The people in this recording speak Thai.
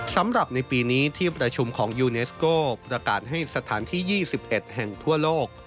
สำหรับในปีนี้ที่ประชุมของยูเนสโก้ประกาศให้สถานที่๒๑แห่งทั่วโลก